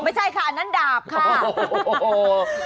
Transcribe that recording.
ไม่ใช่ค่ะอันนั้นดาบค่ะโอ้โห